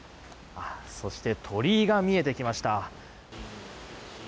そして、鳥居が見えてきました。